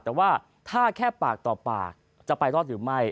แต่ว่าถ้าแค่ปากต่อปากจะไปรอดหรือไม่